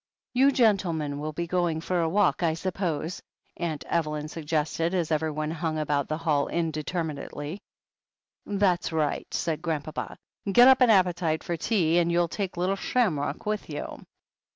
"You gentlemen will be going for a walk, I sup pose ?" Aunt Evelyn suggested, as everyone hung about the hall indeterminately. "That's right," said Grandpapa. "Get up an appetite for tea. And you'll take little Shamrock with you."